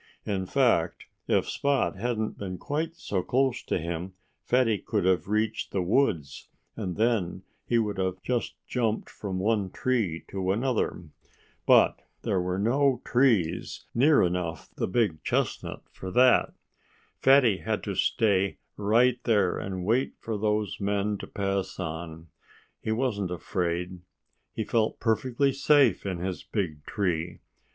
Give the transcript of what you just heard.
In fact, if Spot hadn't been quite so close to him Fatty could have reached the woods, and then he would have just jumped from one tree to another. But there were no trees near enough the big chestnut for that. Fatty had to stay right there and wait for those men to pass on. He wasn't afraid. He felt perfectly safe in his big tree.